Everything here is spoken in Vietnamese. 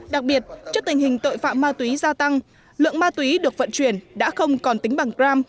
đặc biệt trước tình hình tội phạm ma túy gia tăng lượng ma túy được vận chuyển đã không còn tính bằng g